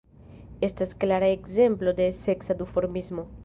Estas klara ekzemplo de seksa duformismo.